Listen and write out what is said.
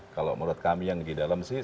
kalau menurut kami yang di dalam sih